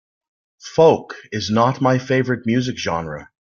Folk is not my favorite music genre.